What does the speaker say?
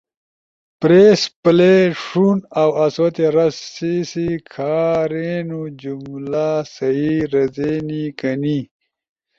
پریس پلے، ݜون اؤ آسو تے رس: سی سی کھارین جملہ صحیح رزینی کہ نی؟